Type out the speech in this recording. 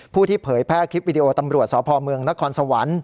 ผู้ที่เผยแพร่คลิปวิดีโอตำรวจสพเมืองนครสวรรค์